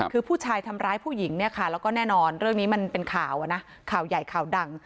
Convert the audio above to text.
คือผู้ชายทำร้ายผู้หญิงเนี่ยค่ะแล้วก็แน่นอนเรื่องนี้มันเป็นข่าวนะข่าวใหญ่ข่าวดัง